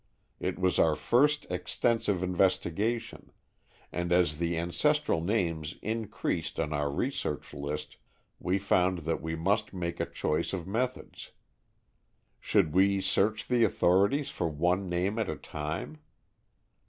It was our first extensive investigation, and as the ancestral names increased on our research list we found that we must make a choice of methods. Should we search the authorities for one name at a time?